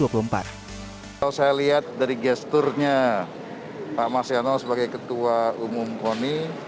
kalau saya lihat dari gesturnya pak mas yano sebagai ketua umum poni